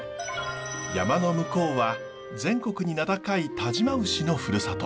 山の向こうは全国に名高い但馬牛のふるさと。